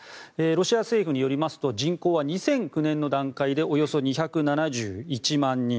ロシア政府によりますと人口は２００９年の段階でおよそ２７１万人。